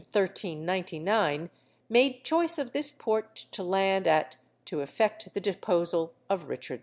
in 1399, made choice of this port to land at, to effect the deposal of Richard II.